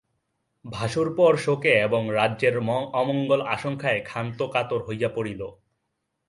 ভাশুরপোর শোকে এবং রাজ্যের অমঙ্গল-আশঙ্কায় ক্ষান্ত কাতর হইয়া পড়িল।